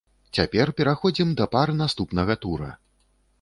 Цяпер пераходзім да пар наступнага тура.